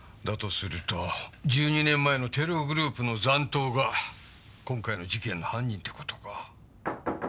だとすると１２年前のテログループの残党が今回の事件の犯人って事か。